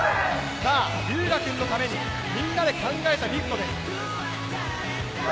龍芽くんのために、みんなで考えたリフトです。